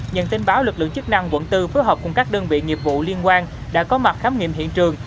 nhận tin báo lực lượng chức năng quận bốn phối hợp cùng các đơn vị nghiệp vụ liên quan đã có mặt khám nghiệm hiện trường